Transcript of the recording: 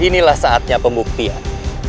inilah saatnya pembuktian